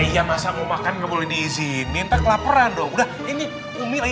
iya masa mau makan nggak boleh diizinkan minta kelaparan dong udah ini umi lagi